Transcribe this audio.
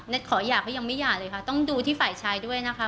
ขอหย่าก็ยังไม่หย่าเลยค่ะต้องดูที่ฝ่ายชายด้วยนะคะ